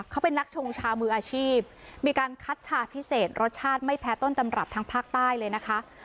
เขาเป็นนักชงชามืออาชีพมีการคัดชาพิเศษรสชาติไม่แพ้ต้นตำรับทางภาคใต้เลยนะคะ